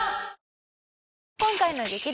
今回の激